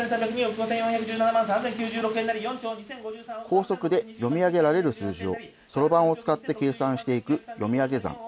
高速で読み上げられる数字を、そろばんを使って計算していく読み上げ算。